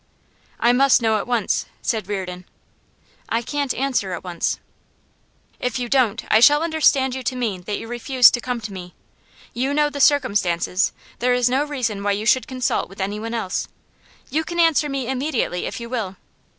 'I must know at once,' said Reardon. 'I can't answer at once.' 'If you don't, I shall understand you to mean that you refuse to come to me. You know the circumstances; there is no reason why you should consult with anyone else. You can answer me immediately if you will.